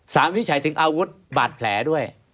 ศาลไม่ได้ใช้ถึงอาวุธบาดแผลด้วย